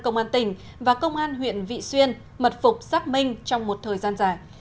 công an tỉnh và công an huyện vị xuyên mật phục xác minh trong một thời gian dài